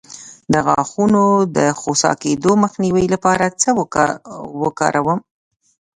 د غاښونو د خوسا کیدو مخنیوي لپاره څه وکاروم؟